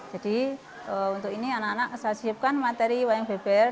jadi untuk ini anak anak saya siapkan materi wayang beber